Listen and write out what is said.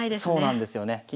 そうなんですよね。